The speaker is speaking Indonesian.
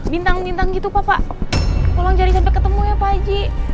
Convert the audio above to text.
bintang bintang gitu papa tolong cari sampai ketemu ya pak j